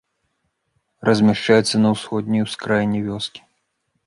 Размяшчаецца на ўсходняй ускраіне вёскі.